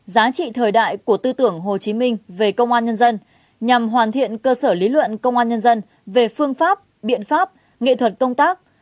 giá trị thời đại của tư tưởng hồ chí minh về công an nhân dân nhằm hoàn thiện cơ sở lý luận công an nhân dân về phương pháp biện pháp nghệ thuật công tác